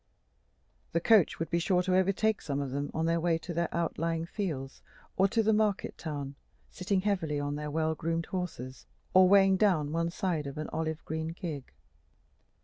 The coach would be sure to overtake some of them on their way to their outlying fields or to the market town, sitting heavily on their well groomed horses, or weighing down one side of an olive green gig.